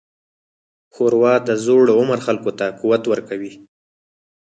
ښوروا د زوړ عمر خلکو ته قوت ورکوي.